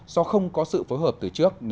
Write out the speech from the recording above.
do không có sự phối hợp từ trước